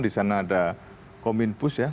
di sana ada komit pus ya